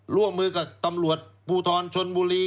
ร่วมมือกับตปูทรชนบุรี